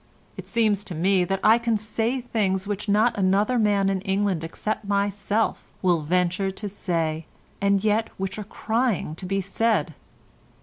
It seems to me that I can say things which not another man in England except myself will venture to say, and yet which are crying to be said."